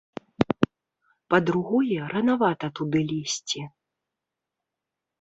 Па-другое, ранавата туды лезці.